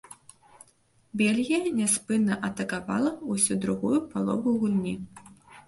Бельгія няспынна атакавала ўсю другую палову гульні.